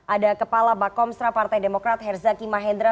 ada kepala bakomstra partai demokrat herzaki mahendra